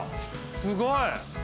すごい！